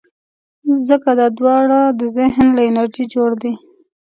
ځکه دا دواړه د ذهن له انرژۍ جوړ دي.